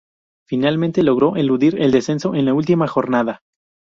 Finalmente, logró eludir el descenso en la última jornada.